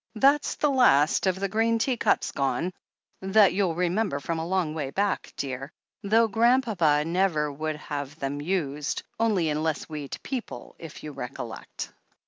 "... That's the last of the green teacups gone, that you'll remember from a long way back, dear, though Grandpapa never would have them used, only unless we'd people, if you recollect."